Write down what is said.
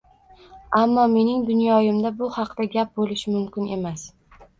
Ammo mening dunyoimda bu haqda gap bo`lishi mumkin emas